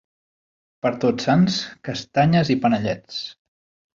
Per Tots Sants, castanyes i panellets.